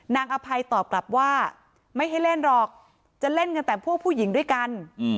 อภัยตอบกลับว่าไม่ให้เล่นหรอกจะเล่นกันแต่พวกผู้หญิงด้วยกัน